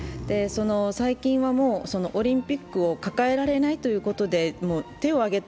最近はオリンピックを抱えられないということで、手を挙げた